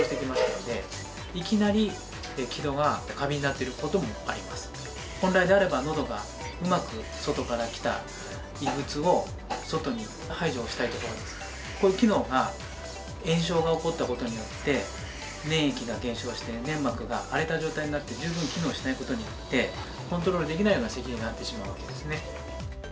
どういうことかというと本来であれば喉がうまく外からきた異物を外に排除するんですがこういう機能が炎症が起こったことによって免疫が減少して粘膜が荒れた状態になって、十分機能しないことによってコントロールできないようなせきになってしまうわけですね。